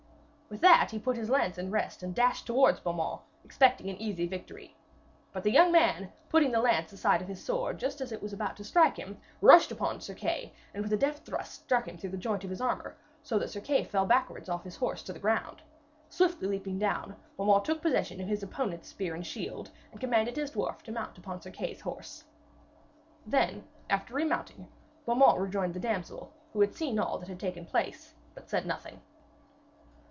With that he put his lance in rest and dashed towards Beaumains, expecting an easy victory. But the young man, putting the lance aside with his sword just as it was about to strike him, rushed upon Sir Kay, and with a deft thrust struck him through a joint of his armour, so that Sir Kay fell backwards off his horse to the ground. Swiftly leaping down, Beaumains took possession of his opponent's spear and shield, and commanded his dwarf to mount upon Sir Kay's horse. Then, after remounting, Beaumains rejoined the damsel, who had seen all that had taken place, but said nothing.